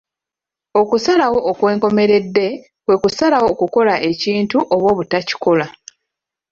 Okusalawo okw'enkomeredde kwe kusalawo okukola ekintu oba obutakikola.